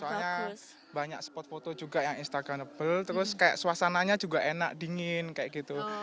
soalnya banyak spot foto juga yang instagramable terus kayak suasananya juga enak dingin kayak gitu